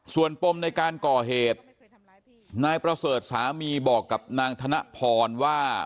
ส่วนปมในการก่อเหตุนายประเสริฐสามีบอกกับนางธนพรว่า